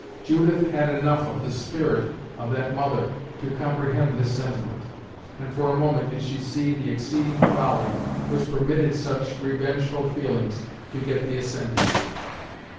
Judith had enough of the spirit of that mother to comprehend this sentiment, and for a moment did she see the exceeding folly which permitted such revengeful feelings to get the ascendancy.